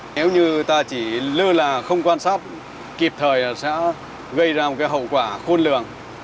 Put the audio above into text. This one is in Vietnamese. nếu như ta chỉ lơ là không quan sát kịp thời sẽ gây ra một cái hậu quả khôn lường